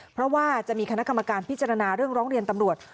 เพราะว่าจะมีคณะกรรมการพิจารณาเรื่องร้องเรียนตำรวจ